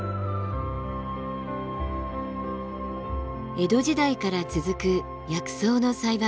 江戸時代から続く薬草の栽培。